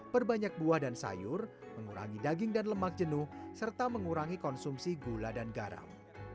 perbanyak buah dan sayur mengurangi daging dan lemak jenuh serta mengurangi konsumsi gula dan garam